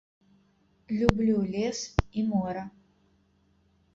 Люблю лес і мора.